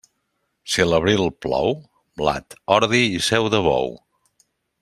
Si a l'abril plou, blat, ordi i seu de bou.